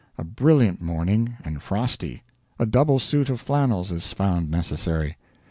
A brilliant morning, and frosty. A double suit of flannels is found necessary.